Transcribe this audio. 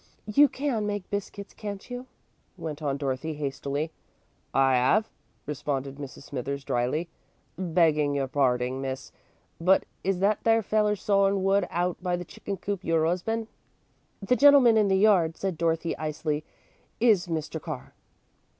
"You can make biscuits, can't you?" went on Dorothy, hastily. "I 'ave," responded Mrs. Smithers, dryly. "Begging your parding, Miss, but is that there feller sawin' wood out by the chicken coop your 'usband?" "The gentleman in the yard," said Dorothy, icily, "is Mr. Carr."